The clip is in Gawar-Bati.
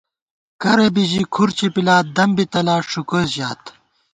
کر بی ژی کھُر چِپِلات دم بی تلات ݭُکوئیس ژات